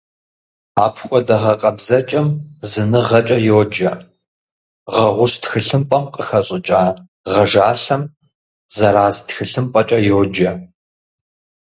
Апхуэдэ гъэкъэбзэкӀэм зыныгъэкӀэ йоджэ, гъэгъущ тхылъымпӀэм къыхэщӀыкӀа гъэжалъэм — зэраз тхылъымпӀэкӀэ йоджэ.